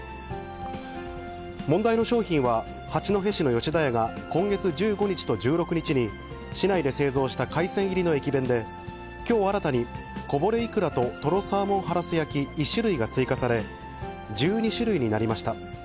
問題の商品は、八戸市の吉田屋が今月１５日と１６日に、市内で製造した海鮮入りの駅弁で、きょう新たにこぼれイクラととろサーモンハラス焼き１種類が追加され、１２種類になりました。